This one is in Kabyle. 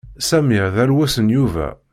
Samir d alwes n Yuba.